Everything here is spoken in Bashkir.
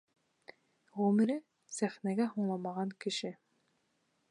Ғүмере сәхнәгә һуңламаған кеше!